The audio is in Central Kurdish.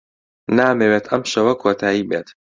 نامەوێت ئەم شەوە کۆتایی بێت.